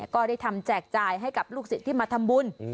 ก็ได้ทำแจกจ่ายให้กับลูกศิษย์ที่มาทำบุญ